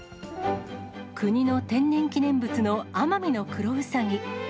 国の天然記念物のアマミノクロウサギ。